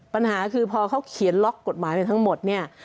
ปัญหาคือพอเขาเขียนล็อกกฎหมายไปทั้งหมดเนี่ย